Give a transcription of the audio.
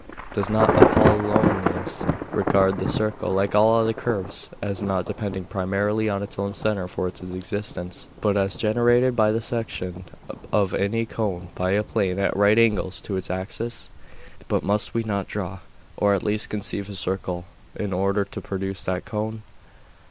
does not Apollonius regard the circle, like all other curves, as not depending primarily on its own centre for its existence, but as generated by the section of any cone by a plane at right angles to its axis?' 'But must we not draw, or at least conceive a circle, in order to produce that cone?